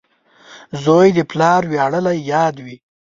• زوی د پلار ویاړلی یاد وي.